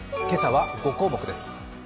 今朝は５項目です。